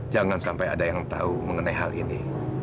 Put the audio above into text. jangan sampai ada yang tahu mengenai hal ini